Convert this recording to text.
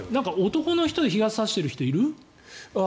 男の人で日傘差している人いる？